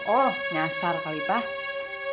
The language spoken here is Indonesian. oh nyasar kali pak